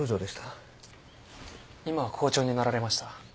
今は校長になられました。